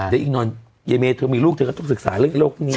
ยายเมย์เธอมีลูกเธอก็ต้องศึกษาเรื่องโรคนี้